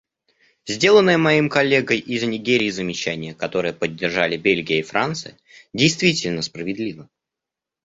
Сделанное моим коллегой из Нигерии замечание, которое поддержали Бельгия и Франция, действительно справедливо.